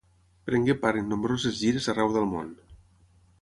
Prengué part en nombroses gires arreu del món.